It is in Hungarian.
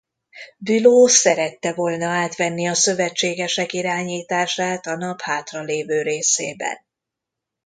Bülow szerette volna átvenni a szövetségesek irányítását a nap hátralévő részében.